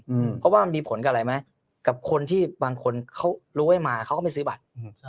เพราะว่ามันมีผลกับอะไรไหมกับคนที่บางคนเขารู้ไว้มาเขาก็ไม่ซื้อบัตร